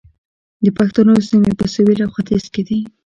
د پښتنو سیمې په سویل او ختیځ کې دي